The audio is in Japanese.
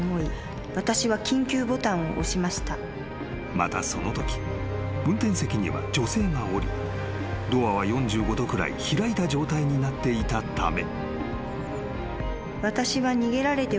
［またそのとき運転席には女性がおりドアは４５度くらい開いた状態になっていたため］